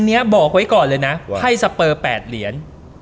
อันนี้บอกไว้ก่อนเลยนะว่าให้สเปอร์๘เหรียญ